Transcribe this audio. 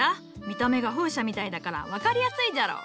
見た目が風車みたいだから分かりやすいじゃろ。